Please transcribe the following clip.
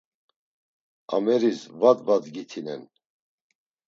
Ameris va dvadgitinen.